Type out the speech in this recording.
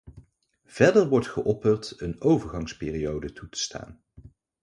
Verder wordt geopperd een overgangsperiode toe te staan.